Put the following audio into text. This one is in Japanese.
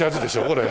これ。